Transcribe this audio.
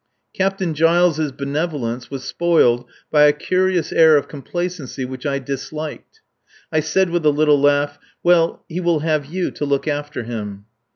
Captain Giles' benevolence was spoiled by a curious air of complacency which I disliked. I said with a little laugh: "Well, he will have you to look after him."